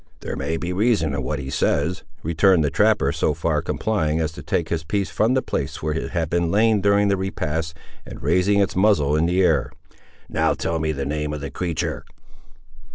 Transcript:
"There may be reason in what he says," returned the trapper, so far complying as to take his piece from the place where it had lain during the repast, and raising its muzzle in the air. "Now tell me the name of the creatur'?"